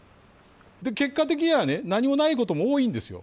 結果的には何もないことも多いんですよ。